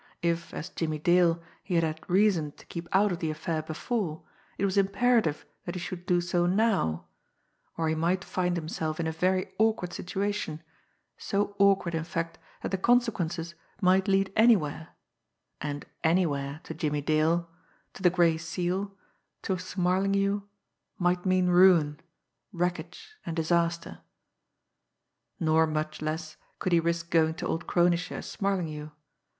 If, as Jimmie Dale, he had had reason to keep out of the affair before, it was imperative that he should do so now or he might find himself in a very awkward situation, so awkward, in fact, that the consequences might lead anywhere, and "anywhere" to Jimmie Dale, to the Gray Seal, to Smarlinghue, might mean ruin, wreckage and disaster. Nor, much less, could he risk going to old Kronische as Smarlinghue.